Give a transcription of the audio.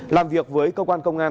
làm việc với công an công an